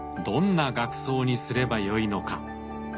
どんな額装にすればよいのか。